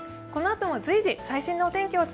このあとも随時、最新のお天気